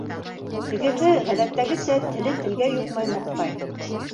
Тегеһе, ғәҙәттәгесә, теле-телгә йоҡмай маҡтай.